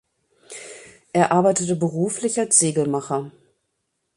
Er arbeitete beruflich als Segelmacher.